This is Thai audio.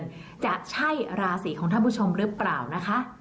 การเงินมาเยือนจะใช่ราศรีของท่านผู้ชมหรือเปล่านะคะ